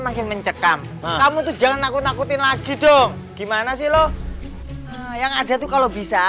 makin mencekam kamu tuh jangan takut nakutin lagi dong gimana sih lo yang ada tuh kalau bisa